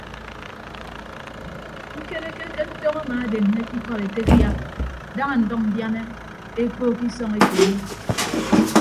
Ñkereke ke ntọñ amaadeññe ke ikọd etefia daña ndʌñ ndiana ekpookko isọñ ekoono.